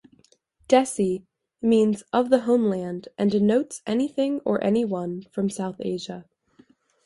"Desi" means "of the homeland" and denotes anything or anyone from South Asia.